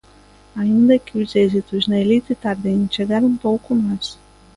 Aínda que os éxitos na elite tarden en chegar un pouco máis.